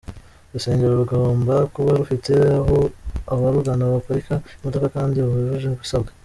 Urusengero rugomba kuba rufite aho abarugana baparika imodoka kandi hujuje ibisabwa.